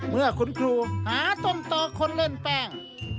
เมื่อคุณครูหาต้นต่อคนเล่นแป้ง